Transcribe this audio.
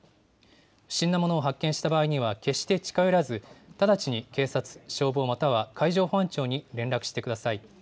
不審なものを発見した場合には決して近寄らず、直ちに警察、消防または海上保安庁に連絡してください。